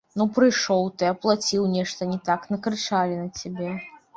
Ну, прыйшоў ты, аплаціў, нешта не так, накрычалі на цябе.